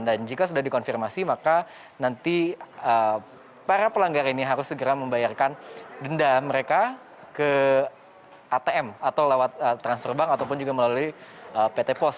dan jika sudah dikonfirmasi maka nanti para pelanggar ini harus segera membayarkan denda mereka ke atm atau lewat transfer bank ataupun juga melalui pt pos